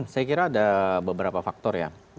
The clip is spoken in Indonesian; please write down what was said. saya kira ada beberapa faktor ya